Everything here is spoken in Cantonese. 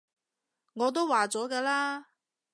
我都話咗嘅啦